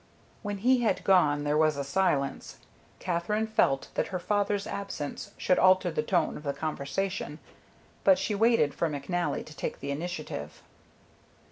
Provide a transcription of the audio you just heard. When he had gone there was a silence. Katherine felt that her father's absence should alter the tone of the conversation, but she waited for McNally to take the initiative.